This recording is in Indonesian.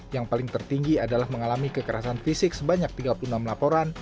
yang paling tertinggi adalah mengalami kekerasan fisik sebanyak tiga puluh enam laporan